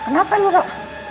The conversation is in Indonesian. kenapa lu rok